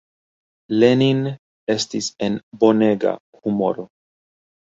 Lenin estis en bonega humoro.